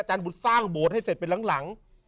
อาจารย์บุญสร้างโบสถ์ให้เสร็จไปหลัง